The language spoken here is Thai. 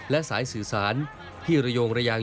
และสายสื่อสารที่ระโยงระยาง